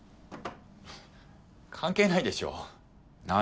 関係ないでしょ何？